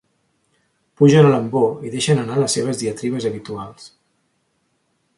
Pugen a l'ambó i deixen anar les seves diatribes habituals.